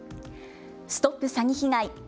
ＳＴＯＰ詐欺被害！